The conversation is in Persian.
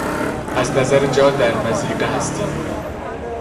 از نظر جا در مضیقه هستیم.